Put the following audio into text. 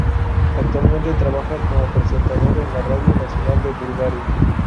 Actualmente trabaja como presentador en la Radio Nacional de Bulgaria.